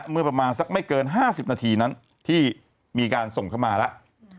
เมื่อประมาณสักไม่เกิน๕๐นาทีนั้นที่มีการส่งเข้ามาแล้ว